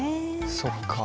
そっか。